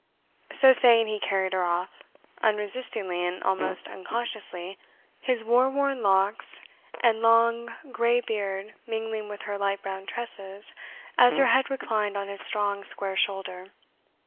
So saying, he carried her off; unresistingly and almost unconsciously, his war worn locks and long, grey beard mingling with her light brown tresses, as her head reclined on his strong, square shoulder.